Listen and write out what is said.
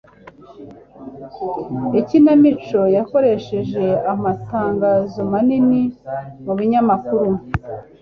Ikinamico yakoresheje amatangazo manini mu binyamakuru